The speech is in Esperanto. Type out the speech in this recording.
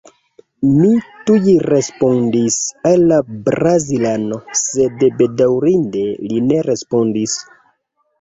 Mi tuj respondis al la brazilano, sed bedaŭrinde li ne respondis.